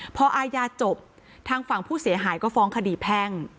พออาญาจบทางฝั่งผู้เสียหายก็ฟ้องคดีแพ่ง